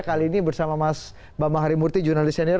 kali ini bersama mas bambang harimurti jurnalis senior